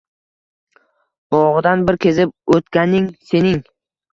Bog’idan bir kezib o’tganing sening.